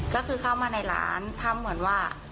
ก็คือเข้ามาในร้านทำเหมือนว่า